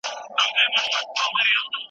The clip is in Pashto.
ملا هره شپه په همدې کټ باندې پرېوځي.